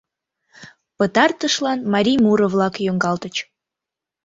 Пытартышлан марий муро-влак йоҥгалтыч.